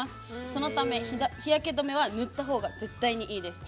そのため、日焼け止めは塗ったほうが絶対にいいです。